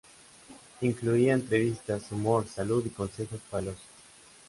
Incluía entrevistas, humor, salud y consejos para el ocio.